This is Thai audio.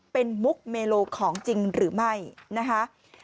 เป็นมุกเมโลของจริงหรือไม่นะคะ